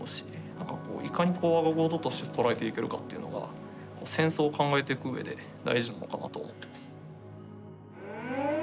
なんかこういかに我が事として捉えていけるかというのが戦争を考えていくうえで大事なのかなと思ってます。